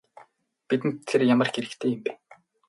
Бидэнд тэр ямар хэрэгтэй юм бэ?